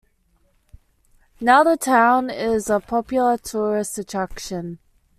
Now the town is a popular tourist attraction.